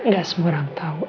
gak semua orang tahu